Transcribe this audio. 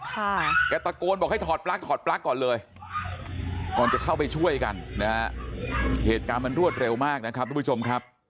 แกตะโกนบอกให้ถอดปลั๊กถอดปลั๊กก่อนเลยก่อนจะเข้าไปช่วยกันนะฮะเหตุการณ์มันรวดเร็วมากนะครับทุกผู้ชมครับ